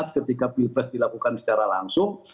ketika pilpres dilakukan secara langsung